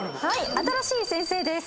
新しい先生です。